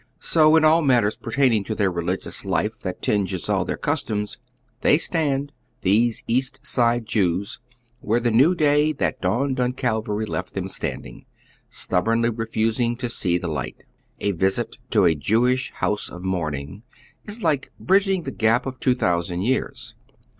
So, in all matters pertaining to their religious life that tinges all their customs, they stand, these East Side Jews, where the new day that dawned on Calvary left them standing, stubbornly refusing to see the light. A visit to a Jewish house of mourning is like bridging the gap of two thousand years.